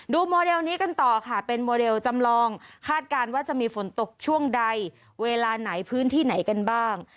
โมเดลนี้กันต่อค่ะเป็นโมเดลจำลองคาดการณ์ว่าจะมีฝนตกช่วงใดเวลาไหนพื้นที่ไหนกันบ้าง